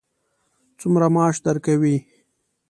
څومره معاش درکوي.